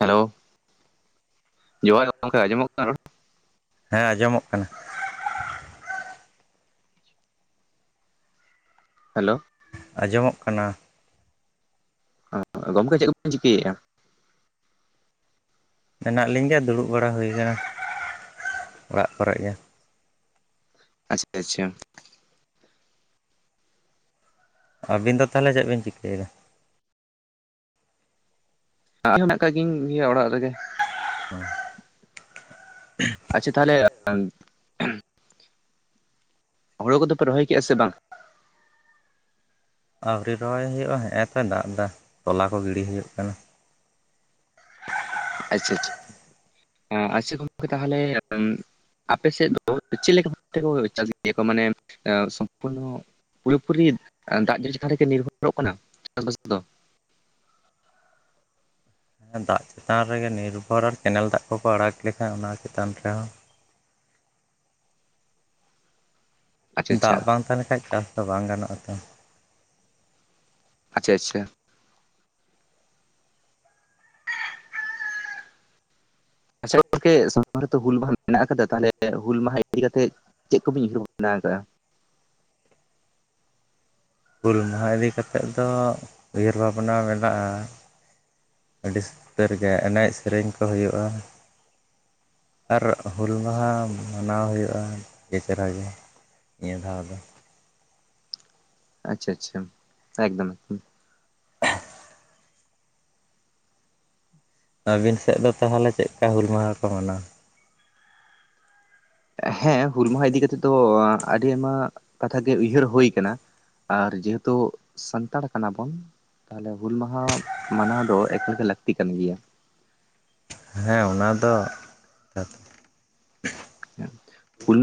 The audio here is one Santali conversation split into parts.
ᱦᱮᱞᱳ ᱡᱚᱦᱟᱨ ᱜᱚᱝᱠᱮ ᱟᱸᱡᱚᱢᱚᱜ ᱠᱟᱱᱟ ᱨᱚᱲ? ᱦᱮᱸ ᱟᱸᱡᱚᱢᱚᱜ ᱠᱟᱱᱟ᱾ ᱦᱮᱞᱳ ᱟᱸᱡᱚᱢᱚᱜ ᱠᱟᱱᱟ? ᱟ ᱜᱚᱝᱠᱮ ᱪᱮᱫ ᱠᱚᱯᱮ ᱪᱤᱠᱟᱹᱭᱮᱫᱼᱟ? ᱢᱮᱱᱟᱜ ᱞᱤᱧ ᱜᱮᱭᱟ ᱫᱩᱲᱩᱵ ᱵᱟᱲᱟ ᱦᱩᱭ ᱟᱠᱟᱱᱟ ᱚᱲᱟᱜ ᱠᱚᱨᱮ ᱜᱮ᱾ ᱟᱪᱪᱷᱟ ᱟᱪᱪᱷᱟ ᱟᱹᱵᱤᱱ ᱫᱚ ᱛᱟᱦᱚᱞᱮ ᱪᱮᱫ ᱵᱤᱱ ᱪᱤᱠᱟᱹᱭᱮᱫᱟ? ᱟᱜ ᱠᱟᱜ ᱜᱤᱧ ᱜᱮᱭᱟ ᱚᱲᱟᱜ ᱨᱮᱜᱮ ᱾ [inaudible] ᱟᱪᱪᱷᱟ ᱛᱟᱸᱦᱞᱮ ᱦᱩᱲᱤ ᱠᱚᱫᱚᱯᱮ ᱨᱚᱦᱚᱭ ᱠᱮᱜᱼᱟ ᱥᱮ ᱵᱟᱝ? ᱟᱣᱨᱤ ᱨᱚᱦᱚᱭ ᱦᱩᱭᱩᱜᱼᱟ ᱦᱮᱸᱮ ᱫᱚᱭ ᱫᱟᱜ ᱫᱟ ᱛᱚᱞᱟ ᱠᱚ ᱜᱤᱰᱤ ᱦᱩᱭᱩᱜ ᱠᱟᱱᱟ᱾ ᱟᱪᱪᱷᱟ ᱟᱪᱪᱷᱟ ᱟᱪᱪᱷᱟ ᱜᱚᱝᱠᱮ ᱛᱟᱦᱚᱞᱮ ᱟᱯᱮ ᱥᱮᱫ ᱫᱚ ᱪᱮᱫ ᱞᱮᱠᱟ ᱵᱷᱟᱵ ᱛᱮᱠᱚ ᱪᱟᱥ ᱜᱮᱭᱟ ᱠᱚ ᱢᱟᱱᱮ ᱥᱚᱢᱯᱩᱨᱱᱚ ᱯᱩᱨᱟᱹ ᱯᱩᱨᱤ ᱫᱟᱜ ᱡᱟᱹᱲᱤ ᱪᱮᱛᱟᱱ ᱨᱮᱜᱮ ᱱᱤᱨᱵᱷᱚᱨᱚᱜ ᱠᱟᱱᱟ, ᱪᱟᱥᱵᱟᱥ ᱫᱚ᱾ ᱫᱟᱜ ᱪᱮᱛᱟᱱ ᱨᱮᱜᱮ ᱱᱤᱨᱵᱷᱚᱨ ᱟᱨ ᱠᱮᱱᱮᱞ ᱫᱟᱜ ᱠᱚᱠᱚ ᱟᱲᱟᱜ ᱞᱮᱠᱷᱟᱱ ᱚᱱᱟ ᱪᱮᱛᱟᱱ ᱨᱮᱦᱚᱸ, ᱟᱪᱪᱷᱟ ᱟᱪᱪᱷᱟ ᱫᱟᱜ ᱵᱟᱝ ᱛᱟᱦᱮᱸ ᱞᱮᱠᱦᱟᱱ ᱪᱟᱥ ᱫᱚ ᱵᱟᱝ ᱜᱟᱱᱚᱜᱼᱟ ᱛᱚ᱾ ᱟᱪᱪᱷᱟ ᱟᱪᱪᱷᱟ ᱟᱪᱪᱷᱟ ᱜᱚᱝᱠᱮ ᱥᱟᱢᱟᱝ ᱨᱮᱛᱚ ᱦᱩᱞ ᱢᱟᱦᱟ ᱢᱮᱱᱟᱜ ᱟᱠᱟᱫᱟ ᱛᱟᱦᱚᱞᱮ ᱦᱩᱞ ᱢᱟᱦᱟ ᱤᱫᱤ ᱠᱟᱛᱮ ᱪᱮᱫ ᱠᱚᱵᱤᱱ ᱩᱭᱦᱟᱹᱨ ᱵᱷᱟᱵᱱᱟ ᱟᱠᱟᱜᱼᱟ? ᱦᱩᱞ ᱢᱟᱦᱟ ᱤᱫᱤ ᱠᱟᱛᱮᱫ ᱫᱚ ᱩᱭᱦᱟᱹᱨ ᱵᱷᱟᱵᱽᱱᱟ ᱢᱮᱱᱟᱜᱼᱟ, ᱟᱹᱰᱤ ᱩᱥᱛᱟᱹᱨ ᱜᱮ ᱮᱱᱮᱡ ᱥᱮᱨᱮᱧ ᱠᱚ ᱦᱩᱭᱩᱜᱼᱟ, ᱟᱨ ᱦᱩᱞ ᱢᱟᱦᱟ ᱢᱟᱱᱟᱣ ᱦᱩᱭᱩᱜᱼᱟ ᱟᱹᱰᱤ ᱪᱮᱦᱨᱟ ᱜᱮ, ᱱᱤᱭᱟᱹ ᱫᱷᱟᱣ ᱫᱚ᱾ ᱟᱪᱪᱷᱟ ᱟᱪᱪᱷᱟ ᱮᱠᱫᱚᱢ ᱾ ᱟᱹᱵᱤᱱ ᱥᱮᱫ ᱫᱚ ᱛᱟᱦᱚᱞᱮ ᱪᱮᱫ ᱞᱮᱠᱟ ᱦᱩᱞ ᱢᱟᱦᱟ ᱠᱚ ᱢᱟᱱᱟᱣᱟᱻ ᱦᱮᱸ, ᱦᱩᱞ ᱢᱟᱦᱟ ᱤᱫᱤ ᱠᱟᱛᱮᱜ ᱫᱚ ᱟᱹᱰᱤ ᱟᱭᱢᱟ ᱠᱟᱛᱷᱟ ᱜᱮ ᱩᱭᱦᱟᱹᱨ ᱦᱩᱭ ᱟᱠᱟᱱᱟ, ᱟᱨ ᱡᱮᱦᱩᱛᱩ ᱥᱟᱱᱛᱟᱲ ᱠᱟᱱᱟ ᱵᱚᱱ ᱛᱟᱦᱚᱞᱮ ᱦᱩᱞ ᱢᱟᱦᱟ ᱢᱟᱱᱟᱣ ᱫᱚ ᱮᱠᱟᱞᱜᱮ ᱞᱟᱹᱠᱛᱤ ᱠᱟᱱ ᱜᱮᱭᱟ ᱾ ᱦᱮᱸ ᱚᱱᱟ ᱫᱚ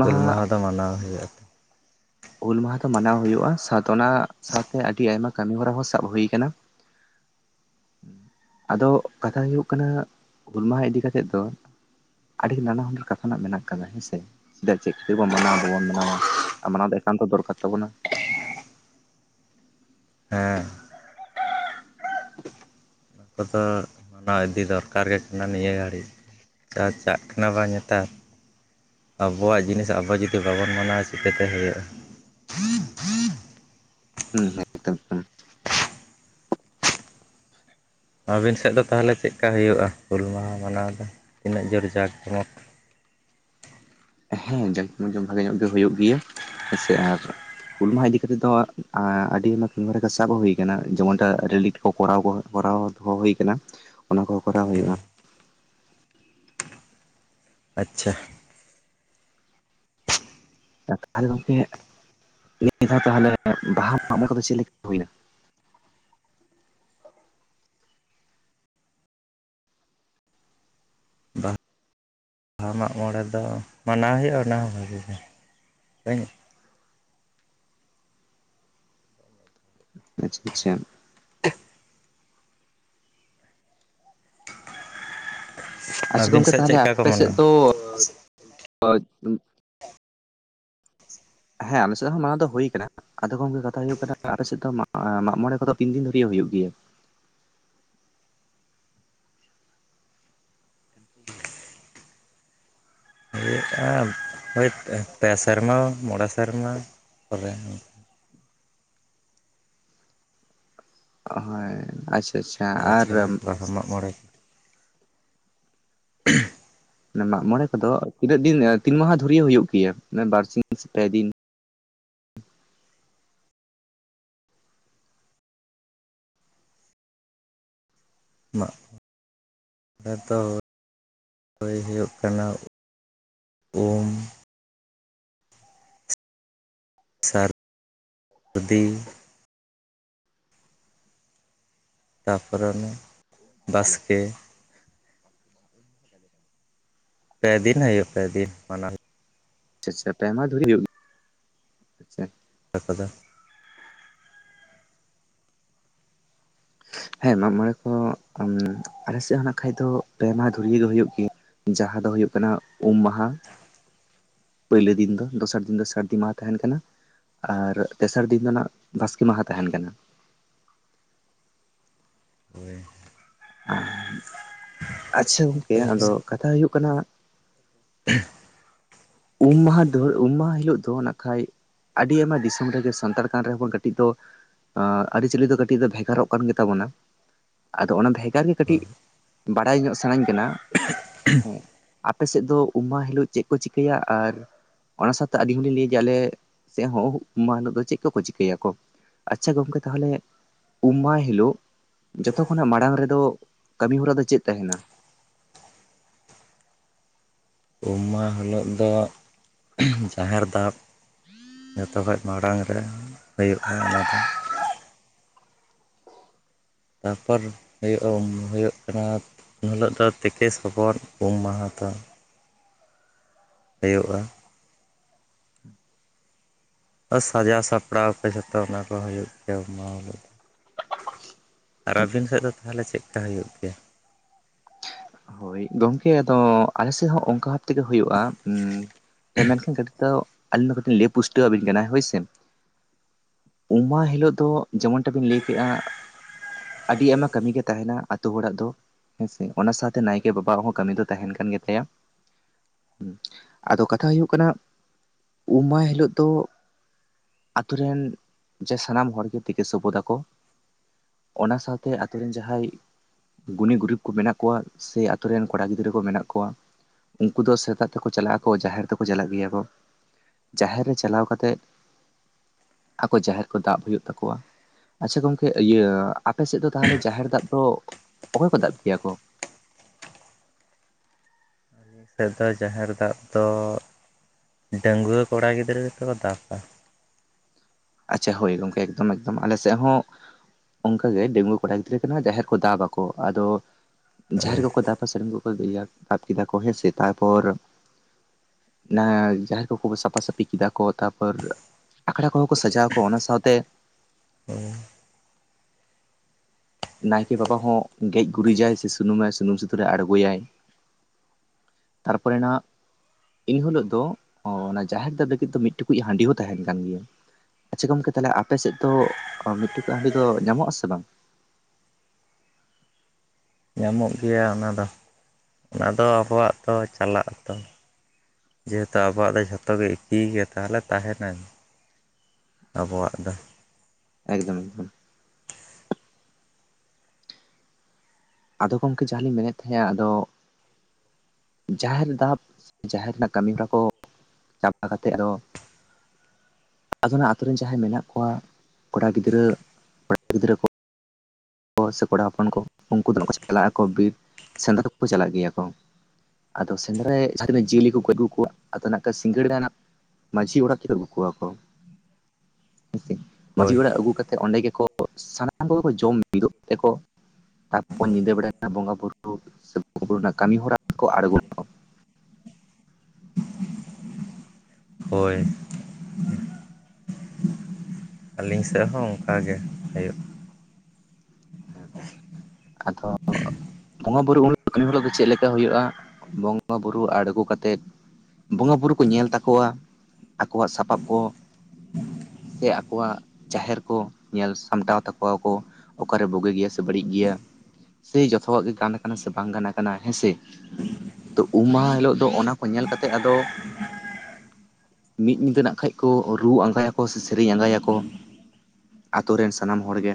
ᱦᱩᱞ ᱢᱟᱦᱟ ᱢᱟᱱᱟᱣ ᱦᱩᱭᱩᱜᱼᱟ ᱦᱩᱞ ᱢᱟᱦᱟ ᱫᱚ ᱢᱟᱱᱟᱣ ᱦᱳᱭᱳᱜᱼᱟ ᱥᱟᱶᱛᱮ ᱚᱱᱟ ᱥᱟᱶᱛᱮ ᱟᱹᱰᱤ ᱟᱭᱢᱟ ᱠᱟᱹᱢᱤ ᱦᱚᱨᱟ ᱦᱚᱸ ᱥᱟᱵ ᱦᱩᱭ ᱟᱠᱟᱱᱟ, ᱟᱫᱚ ᱠᱟᱛᱷᱟ ᱦᱩᱭᱩᱜ ᱠᱟᱱᱟ ᱦᱩᱞ ᱢᱟᱦᱟ ᱤᱫᱤ ᱠᱟᱛᱮᱜ ᱫᱚ ᱟᱹᱰᱤ ᱱᱟᱱᱟ ᱦᱩᱱᱟᱹᱨ ᱠᱟᱛᱷᱟᱱᱟᱜ ᱢᱮᱱᱟᱜ ᱟᱠᱟᱫᱟ ᱦᱮᱸ ᱥᱮ, ᱪᱮᱫᱟᱜ ᱪᱮᱫ ᱠᱷᱟᱹᱛᱤᱨ ᱵᱚ ᱢᱟᱱᱟᱣᱟ ᱵᱟᱵᱚᱱ ᱢᱟᱱᱟᱣᱟ ᱟᱨ ᱢᱟᱱᱟᱣ ᱫᱚ ᱮᱠᱟᱱᱛᱚ ᱫᱚᱨᱠᱟᱨ ᱛᱟᱵᱚᱱᱟ᱾ ᱦᱮᱸ ᱚᱱᱟ ᱠᱚᱫᱚ ᱢᱟᱱᱟᱣ ᱤᱫᱤ ᱫᱚᱨᱠᱟᱨ ᱜᱮ ᱠᱟᱱᱟ ᱱᱤᱭᱟᱹ ᱜᱷᱟᱹᱲᱤᱡ ᱡᱟ ᱪᱟᱜ ᱠᱟᱱᱟ ᱵᱟᱝ ᱱᱮᱛᱟᱨ ᱟᱵᱚᱣᱟᱜ ᱡᱤᱱᱤᱥ ᱟᱵᱚ ᱡᱩᱫᱤ ᱵᱟᱵᱚᱱ ᱢᱟᱱᱟᱣᱟ ᱪᱤᱠᱟᱹᱛᱮ ᱦᱩᱭᱩᱜᱼᱟ᱾ ᱦᱩᱸ ᱮᱠᱫᱚᱢ ᱦᱩᱸ ᱾ ᱟᱹᱵᱤᱱ ᱥᱮᱫ ᱫᱚ ᱛᱟᱦᱚᱞᱮ ᱪᱮᱫ ᱞᱮᱠᱟ ᱦᱩᱭᱩᱜᱼᱟ ᱦᱩᱞ ᱢᱟᱦᱟ ᱢᱟᱱᱟᱣ ᱫᱚ ᱛᱤᱱᱟᱹᱜ ᱡᱳᱨ ᱡᱟᱠ ᱡᱚᱢᱚᱠ ᱾ ᱦᱮᱸ ᱡᱟᱠ ᱡᱚᱢᱚᱠ ᱵᱷᱟᱜᱮ ᱧᱚᱜ ᱜᱮ ᱦᱩᱭᱩᱜ ᱜᱮᱭᱟ ᱦᱮᱸᱥᱮ ᱟᱨ ᱦᱩᱞ ᱢᱟᱦᱟ ᱤᱫᱤ ᱠᱟᱛᱮᱜ ᱫᱚ ᱟᱸ ᱟᱹᱰᱤ ᱟᱭᱢᱟ ᱠᱟᱹᱢᱤ ᱦᱚᱨᱟ ᱜᱮ ᱥᱟᱵ ᱦᱩᱭ ᱟᱠᱟᱱᱟ ᱡᱮᱢᱚᱱ ᱨᱮᱞᱤ ᱠᱚ ᱠᱚᱨᱟᱣ ᱠᱚ ᱠᱚᱨᱟᱣ ᱫᱚᱦᱚ ᱦᱩᱭ ᱟᱠᱟᱱᱟ ᱚᱱᱟ ᱠᱚᱦᱚᱸ ᱠᱚᱨᱟᱣ ᱦᱩᱭᱩᱜ-ᱟ᱾ ᱟᱪᱪᱷᱟ ᱟ ᱛᱟᱦᱚᱞᱮ ᱜᱚᱝᱠᱮ ᱱᱤᱭᱟᱹ ᱫᱷᱟᱣ ᱛᱟᱦᱚᱞᱮ ᱵᱟᱦᱟ, ᱢᱟᱜ ᱢᱚᱬᱮ ᱠᱚᱫᱚ ᱪᱮᱫ ᱞᱮᱠᱟ ᱦᱩᱭᱱᱟ? ᱵᱟᱦᱟ ᱵᱟᱦᱟ, ᱢᱟᱜ ᱢᱚᱬᱮ ᱫᱚ ᱢᱟᱱᱟᱣ ᱦᱩᱭᱩᱜᱼᱟ ᱚᱱᱟ ᱦᱚᱸ ᱵᱷᱟᱜᱤ ᱜᱮ ᱵᱟᱹᱧ ᱟᱪᱪᱷᱟ ᱟᱪᱪᱷᱟ [unintelligible] ᱟᱪᱪᱷᱟ ᱟᱹᱵᱤᱱ ᱜᱚᱝᱠᱮ ᱥᱮᱫ ᱛᱟᱦᱚᱞᱮ ᱟᱯ ᱪᱮᱫᱠᱟ ᱠᱚ ᱥᱮᱫ ᱢᱟᱱᱟᱣᱟ ᱫᱚ? [unintelligible] ᱦᱮᱸ ᱟᱞᱮ ᱥᱮᱜ ᱦᱚᱸ ᱱᱚᱣᱟ ᱫᱚ ᱦᱩᱭ ᱠᱟᱱᱟ᱾ ᱟᱫᱚ ᱜᱚᱝᱜᱮ ᱠᱟᱛᱷᱟ ᱦᱩᱭᱩᱜ ᱠᱟᱱᱟ, ᱟᱯᱮᱥᱮᱫ ᱫᱚ ᱢᱟᱜ ᱢᱟᱜᱢᱚᱬᱮ ᱠᱚᱫᱚ ᱛᱤᱱ ᱫᱤᱱ ᱫᱷᱚᱨᱮ ᱦᱩᱭᱩᱜ ᱜᱮᱭᱟ? [unintelligible] ᱯᱮ ᱥᱮᱨᱢᱟ ᱢᱚᱬᱮ ᱥᱮᱨᱢᱟ ᱛᱚᱵᱮ ᱦᱳᱭ ᱟᱪᱪᱷᱟ, ᱟᱪᱪᱷᱟ ᱟᱨ ᱨᱟᱡᱪᱷᱟᱲᱟ ᱵᱟ ᱢᱟᱜᱢᱚᱬᱮ᱾ ᱢᱟᱜᱼᱢᱚᱬᱮ ᱠᱚᱫᱚ ᱛᱤᱱᱟᱹᱜ ᱫᱤᱱ? ᱛᱤᱱ ᱢᱟᱦᱟᱸᱫᱷᱚᱨᱭᱮ ᱦᱩᱭᱩᱜ ᱜᱮᱭᱟ? ᱵᱟᱨᱥᱤᱧ ᱥᱮ ᱯᱮᱼᱫᱤᱱ ᱾ ᱢᱟᱜ ᱦᱚᱸ ᱛᱮᱫᱚ, ᱦᱚᱭ ᱦᱩᱭᱩᱜ ᱠᱟᱱᱟ ᱩᱢ ᱥᱟᱹᱨᱼᱫᱤ ᱛᱟᱯᱚᱨᱮ ᱱᱟᱹ ᱵᱟᱥᱠᱮ, ᱯᱮ ᱫᱤᱱ ᱦᱩᱭᱩᱜ ᱯᱮ ᱫᱤᱱ ᱢᱟᱱᱟᱣ ᱾ ᱟᱪᱪᱷᱟ ᱪᱷᱟ ᱛᱟᱭᱢᱟ ᱫᱷᱚᱨᱮ ᱦᱩᱭᱩᱜ ᱜᱮ᱾ ᱟᱠᱟᱫᱟ, ᱦᱮᱸ ᱢᱟᱜ ᱢᱚᱬᱮ ᱠᱚ ᱟᱞᱮ ᱥᱮᱫ ᱦᱚᱸ ᱱᱟᱠᱷᱟᱡ ᱫᱚ ᱯᱮ ᱢᱟᱦᱟᱸ ᱫᱷᱩᱨᱭᱮ ᱜᱮ ᱦᱩᱭᱩᱜ ᱜᱮᱭᱟ᱾ ᱡᱟᱦᱟᱸ ᱫᱚ ᱦᱩᱭᱩᱜ ᱠᱟᱱᱟ ᱩᱢ ᱢᱟᱦᱟᱸ᱾ ᱯᱟᱹᱭᱞᱟᱹ ᱫᱤᱱ ᱫᱚᱥᱟᱨ ᱫᱤᱱ ᱫᱚ ᱥᱟᱹᱨᱫᱤ ᱢᱟᱦᱟᱸ ᱛᱟᱦᱮᱱ ᱠᱟᱱᱟ᱾ ᱟᱨ ᱛᱮᱥᱟᱨ ᱫᱤᱱ ᱫᱚ ᱱᱟᱜ ᱵᱟᱥᱠᱮ ᱢᱟᱦᱟᱸ ᱛᱟᱦᱮᱱ ᱠᱟᱱᱟ ᱾ ᱦᱳᱭ, ᱟᱪᱪᱷᱟ ᱜᱚᱝᱠᱮ ᱟᱫᱚ ᱠᱟᱛᱷᱟ ᱦᱩᱭᱩᱜ ᱠᱟᱱᱟ᱾ ᱩᱢ ᱢᱟᱦᱟᱸ ᱫᱟᱹᱲ ᱩᱢ ᱢᱟᱦᱟᱸ ᱦᱤᱞᱳᱜ ᱫᱚ ᱱᱟᱠᱷᱟᱡ ᱾ ᱟᱹᱰᱤ ᱟᱭᱢᱟ ᱫᱤᱥᱚᱢ ᱨᱮᱜᱮ ᱥᱟᱱᱛᱟᱲ ᱠᱟᱱ ᱨᱮᱦᱚᱸᱵᱚᱱ ᱠᱟᱹᱴᱤᱡ ᱫᱚ, ᱟᱹᱨᱤᱪᱟᱹᱞᱤ ᱫᱚ ᱠᱟᱹᱴᱤᱡ ᱫᱚ ᱵᱷᱮᱜᱟᱨᱚᱜ ᱠᱟᱱ ᱜᱮᱛᱟᱵᱚᱱᱟ᱾ ᱟᱫᱚ ᱚᱱᱟ ᱵᱷᱮᱜᱟᱨ ᱜᱮ ᱠᱟᱹᱴᱤᱜ ᱵᱟᱰᱟᱭ ᱧᱚᱜ ᱥᱟᱱᱟᱧ ᱠᱟᱱᱟ? ᱦᱮᱸ ᱟᱯᱮ ᱥᱮᱫ ᱫᱚ ᱩᱢ ᱢᱟᱦᱟᱸ ᱦᱤᱞᱳᱜ ᱪᱮᱫ ᱠᱚ ᱪᱤᱠᱟᱹᱭᱟ? ᱟᱨ ᱚᱱᱟ ᱥᱟᱶᱛᱮ ᱟᱹᱞᱤᱧ ᱦᱚᱸᱞᱤᱧ ᱞᱟᱹᱭᱟᱞᱮ ᱥᱮᱫ ᱦᱚᱸ ᱩᱢ ᱢᱟᱦᱟᱸ ᱦᱤᱞᱳᱜ ᱫᱚ ᱪᱮᱫ ᱠᱚᱠᱚ ᱪᱤᱠᱟᱹᱭᱟᱠᱚ᱾ ᱟᱪᱪᱷᱟ ᱜᱚᱝᱠᱮ ᱛᱟᱦᱚᱞᱮ, ᱩᱢ ᱢᱟᱦᱟᱸ ᱦᱤᱞᱚᱜ ᱡᱚᱛᱚ ᱠᱷᱚᱱᱟᱜ ᱢᱟᱲᱟᱝ ᱨᱮᱫᱚ ᱠᱟᱹᱢᱤ ᱦᱚᱨᱟ ᱫᱚ ᱪᱮᱫ ᱛᱟᱦᱮᱱᱟ? ᱩᱢ ᱢᱟᱦᱟᱸ ᱦᱤᱞᱳᱜ ᱫᱚ ᱡᱟᱦᱮᱨ ᱫᱟᱵ, ᱡᱚᱛᱚ ᱠᱷᱚᱭᱡ ᱢᱟᱲᱟᱝ ᱨᱮ ᱦᱩᱭᱩᱜᱼᱟ ᱾ ᱚᱱᱟᱫᱚ ᱛᱟᱨᱯᱚᱨ ᱦᱩᱭᱩᱜᱼᱟ ᱦᱩᱭᱩᱜ ᱠᱟᱱᱟ ᱩᱱ ᱦᱤᱞᱚᱜ ᱫᱚ ᱛᱮᱠᱮ ᱥᱚᱵᱚᱨ ᱩᱢ ᱢᱟᱦᱟᱸ ᱫᱚ ᱦᱩᱭᱩᱜᱼᱟ᱾ ᱥᱟᱡᱟᱣ ᱥᱟᱯᱲᱟᱣ ᱠᱚ ᱡᱚᱛᱚ ᱚᱱᱟ ᱠᱚ ᱦᱩᱭᱩᱜ ᱜᱮᱭᱟ ᱩᱢ ᱢᱟᱦᱟᱸ ᱦᱤᱞᱚᱜ ᱫᱚ᱾ ᱟᱨ ᱟᱹᱵᱤᱱ ᱥᱮᱡ ᱫᱚ ᱛᱟᱦᱚᱞᱮ ᱪᱮᱫᱞᱮᱠᱟ ᱦᱩᱭᱩᱜ ᱜᱮᱭᱟ? ᱦᱳᱭ ᱜᱚᱝᱠᱮ ᱟᱫᱚ ᱟᱞᱮ ᱥᱮᱫ ᱦᱚᱸ ᱚᱱᱠᱟ ᱵᱷᱟᱵ ᱛᱮᱜᱮ ᱦᱩᱭᱩᱜᱼᱟ᱾ ᱢᱮᱱᱠᱷᱟᱱ ᱠᱟᱹᱴᱤᱡ ᱫᱚ ᱟᱹᱞᱤᱧ ᱫᱚ ᱠᱟᱹᱴᱤᱡ ᱞᱟᱹᱭ ᱯᱩᱥᱴᱟᱹᱣ ᱟᱵᱤᱱ ᱠᱟᱱᱟ ᱦᱳᱭᱥᱮ᱾ ᱩᱢ ᱢᱟᱦᱟᱸ ᱦᱤᱞᱳᱜ ᱫᱚ ᱡᱮᱢᱚᱱ ᱴᱟ ᱵᱤᱱ ᱞᱟᱹᱭ ᱠᱮᱜᱼᱟ᱾ ᱟᱹᱰᱤ ᱟᱭᱢᱟ ᱠᱟᱹᱢᱤ ᱜᱮ ᱛᱟᱦᱮᱱᱟ ᱟᱛᱳ ᱦᱚᱲᱟᱜ ᱫᱚ ᱦᱮᱸᱥᱮ, ᱚᱱᱟ ᱥᱟᱶ ᱛᱮ ᱱᱟᱭᱠᱮ ᱵᱟᱵᱟᱼᱟᱜ ᱦᱚᱸ ᱠᱟᱹᱢᱤ ᱫᱚ ᱛᱟᱦᱮᱱ ᱠᱟᱱ ᱜᱮᱛᱟᱭᱟ᱾ ᱟᱫᱚ ᱠᱟᱛᱷᱟ ᱦᱩᱭᱩᱜ ᱠᱟᱱᱟ, ᱩᱢ ᱢᱟᱦᱟᱸ ᱦᱤᱞᱳᱜ ᱫᱚ ᱟᱛᱳ ᱨᱮᱱ ᱡᱮ ᱥᱟᱱᱟᱢ ᱦᱚᱲ ᱜᱮ ᱛᱤᱠᱟᱹ ᱥᱚᱵᱚᱫᱟᱠᱚ᱾ ᱚᱱᱟ ᱥᱟᱶᱛᱮ ᱟᱛᱩᱨ ᱨᱮᱱ ᱡᱟᱦᱟᱸᱭ ᱜᱩᱱᱤ ᱜᱩᱨᱤᱵᱽ ᱠᱚ ᱢᱮᱱᱟᱜ ᱠᱚᱣᱟ, ᱥᱮ ᱟᱛᱳ ᱨᱮᱱ ᱠᱚᱲᱟ ᱜᱤᱫᱽᱨᱟᱹ ᱠᱚ ᱢᱮᱱᱟᱜ ᱠᱚᱣᱟ᱾ ᱩᱱᱠᱩ ᱫᱚ ᱥᱮᱛᱟᱜ ᱛᱮᱠᱚ ᱪᱟᱞᱟᱜ ᱟᱠᱚ ᱡᱟᱦᱮᱨ ᱛᱮᱠᱚ ᱪᱟᱞᱟᱜ ᱜᱮᱭᱟ ᱠᱚ ᱡᱟᱦᱮᱨ ᱨᱮ ᱪᱟᱞᱟᱣ ᱠᱟᱛᱮᱫ ᱟᱠᱚ ᱡᱟᱦᱮᱨ ᱠᱚ ᱫᱟᱵ ᱦᱩᱭᱩᱜ ᱛᱟᱠᱚᱣᱟ᱾ ᱟᱪᱪᱷᱟ ᱜᱚᱝᱠᱮ ᱤᱭᱟᱹ ᱟᱯᱮᱥᱮᱫ ᱫᱚ ᱛᱟᱦᱚᱞᱮ ᱡᱟᱦᱮᱨ ᱫᱟᱵ ᱫᱚ ᱚᱠᱚᱭ ᱠᱚ ᱫᱟᱵ ᱜᱮᱭᱟ ᱠᱚ? ᱟᱞᱮ ᱥᱮᱫ ᱫᱚ ᱡᱟᱦᱮᱨ ᱫᱟᱵ ᱫᱚ ᱰᱟᱺᱝᱜᱣᱟᱹ ᱠᱚᱲᱟ ᱜᱤᱫᱽᱨᱟᱹ ᱜᱮ ᱠᱚ ᱫᱟᱵᱼᱟ᱾ ᱟᱪᱪᱷᱟ ᱦᱳᱭ ᱜᱚᱝᱠᱮ ᱮᱠᱫᱚᱢ ᱮᱠᱫᱚᱢ ᱟᱞᱮ ᱥᱮᱫ ᱦᱚᱸ ᱚᱱᱠᱟᱜᱮ ᱰᱟᱹᱜᱩᱣᱟᱹ ᱠᱚᱲᱟ ᱜᱤᱫᱽᱨᱟᱹ ᱠᱟᱱᱟ ᱡᱟᱦᱮᱨ ᱠᱚ ᱫᱟᱵᱟᱠᱚ ᱟᱫᱚ, ᱡᱟᱦᱮᱨ ᱳᱭ ᱠᱚᱠᱚ ᱫᱟᱯᱟ ᱥᱟᱹᱲᱤᱢ ᱠᱚᱠᱚ ᱤᱭᱟᱹᱫᱟᱵ ᱠᱮᱫᱟ ᱠᱚ ᱦᱮᱸ ᱥᱮ ᱛᱟᱨᱯᱚᱨ ᱚᱱᱟ ᱡᱟᱦᱮᱨ ᱠᱚᱠᱚ ᱥᱟᱯᱷᱟ ᱥᱟᱹᱯᱷᱤ ᱠᱮᱫᱟ ᱠᱚ ᱛᱟᱯᱚᱨ ᱟᱠᱷᱲᱟ ᱠᱚᱦᱚᱸ ᱠᱚ ᱥᱟᱡᱟᱣ ᱟᱠᱚ ᱚᱱᱟ ᱥᱟᱶᱛᱮ? ᱦᱩᱸ ᱱᱟᱭᱠᱮ ᱵᱟᱵᱟ ᱦᱚᱸ ᱜᱮᱡ ᱜᱩᱨᱤᱡᱟᱭ ᱥᱮ ᱥᱩᱱᱩᱢᱟᱭ ᱥᱩᱱᱩᱢ ᱥᱤᱸᱫᱩᱨᱮ ᱟᱬᱜᱳᱭᱟᱭ ᱛᱟᱨᱯᱚᱨᱮ ᱱᱟᱜ ᱮᱱᱦᱤᱞᱳᱜ ᱫᱚ ᱚᱱᱟ ᱡᱟᱦᱮᱨ ᱫᱟᱵ ᱞᱟᱹᱜᱤᱫ ᱫᱚ ᱢᱤᱫ ᱴᱩᱠᱩᱡ ᱦᱟᱺᱰᱤ ᱦᱚᱸ ᱛᱟᱦᱮᱱ ᱠᱟᱱ ᱜᱮᱭᱟ᱾ ᱟᱪᱪᱷᱟ ᱜᱚᱝᱠᱮ ᱛᱟᱦᱚᱞᱮ ᱟᱯᱮ ᱥᱮᱫ ᱫᱚ ᱢᱤᱫ ᱴᱤᱠᱩᱡ ᱦᱟᱺᱰᱤ ᱫᱚ ᱧᱟᱢᱚᱜ ᱟᱥᱮ ᱵᱟᱝ? ᱧᱟᱢᱚᱜ ᱜᱮᱭᱟ ᱚᱱᱟ ᱫᱚ ᱚᱱᱟ ᱫᱚ ᱟᱵᱚᱣᱟᱜ ᱫᱚ ᱪᱟᱞᱟᱜ ᱟᱛᱚ ᱡᱮᱦᱮᱛᱩ ᱟᱵᱚᱣᱟᱜ ᱫᱚ ᱡᱷᱚᱛᱚ ᱜᱮ ᱮᱠᱤ ᱜᱮᱭᱟ ᱛᱟᱦᱚᱞᱮ ᱛᱟᱦᱮᱱᱟ᱾ ᱟᱵᱚᱣᱟᱜ ᱫᱚ ᱮᱠᱫᱚᱢ ᱮᱠᱫᱚᱢ ᱟᱫᱚ ᱜᱚᱢᱠᱮ ᱡᱟᱦᱟᱸ ᱞᱤᱧ ᱢᱮᱱᱮᱫ ᱛᱟᱦᱮᱸᱫ-ᱟ ᱟᱫᱚ ᱡᱟᱦᱮᱨ ᱫᱟᱵ ᱥᱮ ᱡᱟᱦᱮᱨ ᱨᱮᱱᱟᱜ ᱠᱟᱹᱢᱤ ᱦᱚᱨᱟ ᱠᱚᱻ ᱪᱟᱵᱟ ᱠᱟᱛᱮᱫ ᱟᱨᱚ ᱟᱫᱚ ᱚᱱᱟ ᱟᱛᱳ ᱨᱮᱱ ᱡᱟᱦᱟᱸᱭ ᱢᱮᱱᱟᱜ ᱠᱚᱣᱟ ᱠᱚᱲᱟ ᱜᱤᱫᱽᱨᱟᱹ ᱠᱚᱲᱟ ᱜᱤᱫᱽᱨᱟᱹ [unintelligible] ᱠᱚ ᱥᱮ ᱠᱚᱲᱟ ᱦᱚᱯᱚᱱ ᱠᱚ ᱩᱱᱠᱩ ᱫᱚ ᱠᱚ ᱪᱟᱞᱟᱜ ᱟᱠᱚ ᱵᱤᱨ ᱥᱮᱸᱫᱽᱨᱟ ᱠᱚ ᱪᱟᱞᱟᱜ ᱜᱮᱭᱟ ᱠᱚ ᱟᱫᱚ ᱥᱮᱸᱫᱽᱨᱟ ᱡᱟᱦᱟᱸ ᱛᱤᱱᱟᱹ ᱡᱤᱭᱟᱹᱞᱤ ᱟᱹᱜᱩ ᱠᱚᱣᱟ ᱟᱫᱚ ᱱᱟᱜ ᱥᱤᱸᱜᱟᱹᱲ ᱦᱟᱸᱜ [inaudible] ᱢᱟᱹᱡᱷᱤ ᱚᱲᱟᱜ ᱛᱮ ᱟᱹᱜᱩ ᱠᱚᱣᱟ ᱠᱚ ᱦᱮᱸᱥᱮ ᱢᱟᱹᱡᱷᱤ ᱦᱳᱭ ᱚᱲᱟᱜ ᱟᱹᱜᱩ ᱠᱟᱛᱮᱫ ᱚᱸᱰᱮ ᱜᱮᱠᱚ ᱥᱟᱱᱟᱢ ᱠᱚᱜᱮ ᱠᱚ ᱡᱚᱢ ᱢᱤᱫᱚᱜ [inaudible] ᱛᱮ ᱠᱚ ᱛᱟᱯᱚᱨ ᱧᱤᱫᱟᱹ ᱵᱮᱲᱟ ᱨᱮᱱᱟᱜ ᱵᱚᱸᱜᱟ ᱵᱩᱨᱩ ᱥᱮ ᱵᱚᱸᱜᱟ ᱵᱩᱨᱩ ᱨᱮᱱᱟᱜ ᱠᱟᱹᱢᱤ ᱦᱚᱨᱟ ᱠᱚ ᱟᱬᱜᱚᱜ-ᱟ᱾ ᱦᱳᱭ ᱟᱹᱞᱤᱧ ᱥᱮᱫ ᱦᱚᱸ ᱚᱱᱠᱟ ᱜᱮ ᱦᱩᱭᱩᱜ᱾ ᱟᱫᱚ ᱵᱚᱸᱜᱟ ᱵᱩᱨᱩ ᱠᱟᱹᱢᱤ ᱦᱚᱨᱟ ᱫᱚ ᱪᱮᱫ ᱞᱮᱠᱟ ᱦᱩᱭᱩᱜ-ᱟ ᱵᱚᱸᱜᱟ ᱵᱩᱨᱩ ᱟᱬᱜᱚ ᱠᱟᱛᱮᱫ ᱵᱚᱸᱜᱟ ᱵᱩᱨᱩ ᱠᱚ ᱧᱮᱞ ᱛᱟᱠᱚᱣᱟ ᱟᱠᱚᱣᱟᱜ ᱥᱟᱯᱟᱵ ᱠᱚ ᱥᱮ ᱟᱠᱚᱣᱟᱜ ᱡᱟᱦᱮᱨ ᱠᱚ ᱧᱮᱞ ᱥᱟᱢᱴᱟᱣ ᱛᱟᱠᱚᱣᱟ ᱠᱚ ᱚᱠᱟ ᱨᱮ ᱵᱩᱜᱤ ᱜᱮᱭᱟ ᱥᱮ ᱵᱟᱹᱲᱤᱡ ᱜᱮᱭᱟ᱾ ᱥᱮ ᱡᱚᱛᱚᱣᱟᱜ ᱜᱮ ᱜᱟᱱ ᱠᱟᱱᱟ ᱥᱮ ᱵᱟᱝ ᱜᱟᱱ ᱠᱟᱱᱟ ᱦᱮᱸ ᱥᱮ ᱛᱳ ᱩᱢ ᱢᱟᱦᱟ ᱦᱤᱞᱳᱜ ᱫᱚ ᱚᱱᱟ ᱠᱚ ᱧᱮᱞ ᱠᱟᱛᱮᱜ ᱟᱫᱚ ᱢᱤᱫ ᱧᱤᱫᱟᱹ ᱱᱟᱜ ᱠᱷᱟᱡ ᱠᱚ ᱨᱩ ᱟᱸᱜᱟᱭᱟ ᱠᱚ ᱥᱮ ᱥᱮᱨᱮᱧ ᱟᱸᱜᱟᱭ ᱟᱠᱚ᱾ ᱟᱛᱳ ᱨᱮᱱ ᱥᱟᱱᱟᱢ ᱦᱚᱲ ᱜᱮ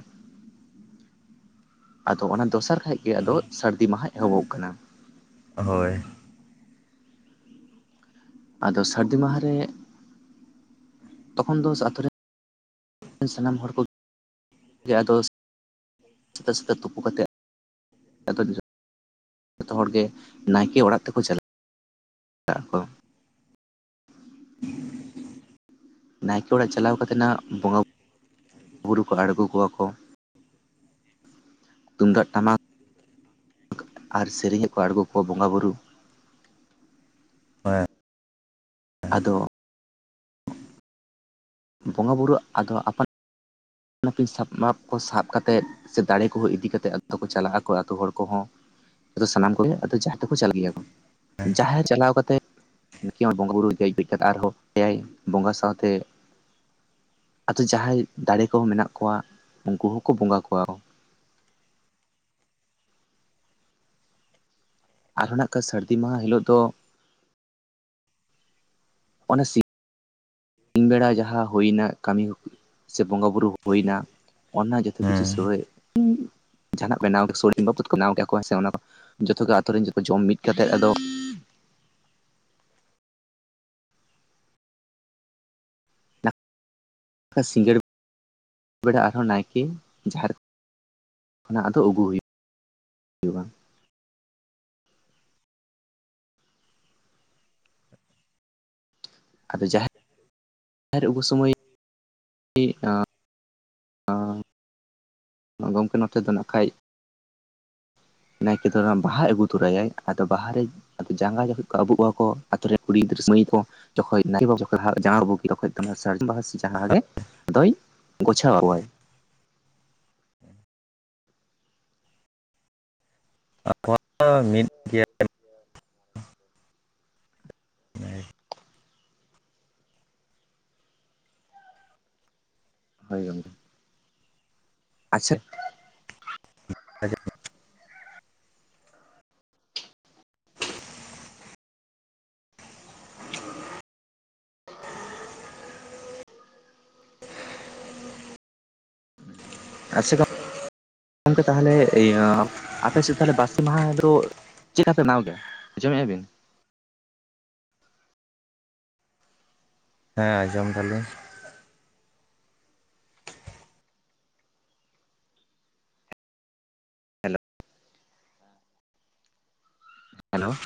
ᱟᱫᱚ ᱚᱱᱟ ᱫᱚᱥᱟᱨ ᱠᱷᱟᱡ ᱜᱮ ᱟᱫᱚ ᱥᱟᱹᱨᱫᱤ ᱢᱟᱦᱟ ᱮᱦᱚᱵᱚᱜ ᱠᱟᱱᱟ᱾ ᱦᱳᱭ ᱟᱫᱚ ᱥᱟᱹᱨᱫᱤ ᱢᱟᱦᱟ ᱨᱮ ᱛᱚᱠᱷᱚᱱ ᱫᱚ ᱟᱛᱳ ᱨᱮᱱ ᱥᱟᱱᱟᱢ ᱦᱚᱲ ᱠᱚ ᱜᱮ ᱟᱫᱚ ᱥᱮᱛᱟᱜ ᱥᱮᱛᱟᱜ ᱛᱳᱯᱳ ᱠᱟᱛᱮᱫ ᱟᱫᱚ ᱫᱤᱥᱚᱢ [unintelligible] ᱡᱚᱛᱚ ᱦᱚᱲ ᱜᱮ ᱱᱟᱭᱠᱮ ᱚᱲᱟᱜ ᱛᱮᱠᱚ ᱪᱟᱞᱟᱜ ᱟᱠᱚ ᱱᱟᱭᱠᱮ ᱚᱲᱟᱜ ᱪᱟᱞᱟᱣ ᱠᱟᱛᱮ ᱱᱟᱦᱟᱜ ᱵᱚᱸᱜᱟ ᱵᱩᱨᱩ ᱠᱚ ᱟᱬᱜᱳ ᱠᱚᱣᱟ ᱠᱚ ᱛᱩᱢᱫᱟᱜ ᱴᱟᱢᱟᱠ ᱟᱨ ᱥᱮᱨᱮᱧ ᱦᱚ ᱠᱚ ᱟᱬᱜᱚ ᱠᱚᱣᱟ ᱵᱚᱸᱜᱟ ᱵᱩᱨᱩ ᱟᱫᱚ? ᱵᱚᱸᱜᱟ-ᱵᱩᱨᱩ ᱟᱫᱚ ᱟᱯᱟᱱ ᱟᱹᱯᱤᱱ ᱥᱟᱯᱟᱵ ᱠᱚ ᱥᱟᱵ ᱠᱟᱛᱮᱫ ᱥᱮ ᱫᱟᱲᱮ ᱠᱚᱦᱚᱸ ᱤᱫᱤ ᱠᱟᱛᱮᱫ ᱠᱚ ᱪᱟᱞᱟᱜ ᱟᱠᱚ ᱟᱛᱳ ᱦᱚᱲ ᱠᱚᱦᱚᱸ ᱟᱫᱚ ᱥᱟᱱᱟᱢ ᱠᱚᱜᱮ ᱟᱫᱚ ᱡᱟᱦᱮᱨ ᱛᱮᱠᱚ ᱪᱟᱞᱟᱜ ᱜᱮᱭᱟ ᱠᱚ ᱡᱟᱦᱮᱨ ᱪᱟᱞᱟᱣ ᱠᱟᱛᱮᱜ [unintelligible] ᱱᱠᱤᱱ ᱦᱚᱸ ᱵᱚᱸᱜᱟ ᱵᱩᱨᱩᱭ ᱠᱟᱛᱮ ᱟᱨᱦᱚᱸ ᱮᱭᱟᱭ ᱵᱚᱸᱜᱟ ᱥᱟᱶᱛᱮ ᱟᱫᱚ ᱡᱟᱦᱟᱸᱭ ᱫᱟᱲᱮ ᱠᱚᱦᱚᱸ ᱢᱮᱱᱟᱜ ᱠᱚᱣᱟ ᱩᱱᱠᱩ ᱦᱚ ᱠᱚ ᱵᱚᱸᱜᱟ ᱠᱚᱣᱟ ᱟᱨᱦᱚᱸ ᱱᱟᱜ ᱠᱷᱟᱱ ᱥᱟᱹᱨᱫᱤ ᱢᱟᱦᱟ ᱦᱤᱞᱳᱜ ᱫᱚ ᱚᱱᱟ ᱥᱤᱧ ᱵᱮᱲᱟ ᱡᱟᱦᱟᱸ ᱦᱩᱭᱱᱟ ᱠᱟᱹᱢᱤ ᱥᱮ ᱵᱚᱸᱜᱟ ᱵᱩᱨᱩ ᱦᱩᱭᱱᱟ ᱚᱱᱟ ᱡᱚᱛᱚ ᱠᱤᱪᱷᱩ ᱦᱩᱸ ᱥᱚᱲᱮ ᱩᱸ ᱡᱟᱦᱟᱱᱟᱜ ᱵᱮᱱᱟᱣ ᱠᱮᱫ ᱥᱚᱲᱮ ᱵᱟᱵᱚᱫ ᱵᱮᱱᱟᱣ ᱠᱮᱫᱟ ᱠᱚ ᱦᱮᱸ ᱥᱮ ᱚᱱᱟ ᱠᱚ ᱡᱚᱛᱚ ᱜᱮ ᱟᱛᱳ ᱨᱮᱱ ᱡᱚᱛᱚ ᱡᱚᱢ ᱢᱤᱫ ᱠᱟᱛᱮᱫ ᱟᱫᱚ ᱥᱤᱸᱜᱟᱹᱲ ᱵᱮᱲᱟ ᱟᱨᱦᱚᱸ ᱱᱟᱭᱠᱮ ᱡᱟᱦᱮᱨ ᱠᱷᱚᱱᱟᱜ ᱟᱫᱚ ᱟᱹᱜᱩ ᱦᱩᱭᱩᱼᱟ᱾ ᱟᱫᱚ ᱡᱟᱦᱮᱨ ᱟᱜᱩ ᱥᱚᱢᱚᱭ ᱟᱸ ᱟᱸᱻ ᱜᱚᱝᱠᱮ ᱱᱚᱛᱮ ᱫᱚ ᱱᱟᱜ ᱠᱷᱟᱡ᱾ ᱱᱟᱭᱠᱮ ᱫᱚ ᱚᱱᱟ ᱵᱟᱦᱟᱭ ᱟᱹᱜᱩ ᱛᱚᱨᱟᱭᱟᱭ ᱟᱫᱚ ᱵᱟᱦᱟᱨ ᱨᱮ ᱟᱫᱚ ᱡᱟᱸᱜᱟ ᱡᱚᱠᱷᱚᱡ ᱠᱚ ᱟᱹᱵᱩᱜᱚᱜ ᱠᱚᱣᱟᱠᱚ ᱟᱹᱛᱩ ᱨᱮᱱ ᱠᱩᱲᱤ ᱜᱤᱫᱽᱨᱟᱹ ᱢᱟᱹᱭ ᱠᱚ᱾ ᱡᱚᱠᱷᱚᱡ ᱱᱟᱭᱠᱮ ᱵᱟᱵᱟ ᱡᱟᱶᱟ ᱟᱵᱩᱜ ᱦᱩᱭᱩᱜ ᱛᱚᱠᱷᱚᱡ ᱫᱚ ᱥᱟᱨᱡᱚᱢ ᱵᱟᱦᱟ ᱥᱮ ᱡᱟᱦᱟᱸ ᱜᱮ ᱟᱫᱚᱭ ᱜᱩᱪᱷᱟᱣᱟᱠᱚᱣᱟ᱾ [inaudible] ᱢᱤᱫ ᱜᱮᱭᱟ ᱦᱳᱭ ᱜᱚᱝᱠᱮ ᱟᱪᱪᱷᱟ ᱟᱪᱪᱷᱟ ᱜᱚᱝᱠᱮ ᱛᱟᱦᱞᱮ ᱤᱭᱟᱹ ᱟᱯᱮ ᱥᱮᱫ ᱛᱟᱦᱚᱞᱮ ᱵᱟᱥᱠᱮ ᱢᱟᱦᱟ ᱦᱤᱞᱚᱜ᱾ ᱪᱮᱫᱠᱟᱯᱮ ᱱᱟᱣ ᱜᱮᱭᱟ ᱟᱸᱡᱚᱢᱮᱫᱼᱟ ᱵᱤᱱ? ᱦᱮᱸ ᱟᱸᱡᱚᱢ ᱫᱟᱞᱮ᱾ Hello hello